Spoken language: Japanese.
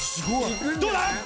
どうだ？